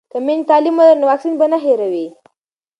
که میندې تعلیم ولري نو واکسین به نه هیروي.